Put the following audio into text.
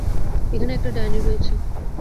এখানে একটা ডাইনী রয়েছে!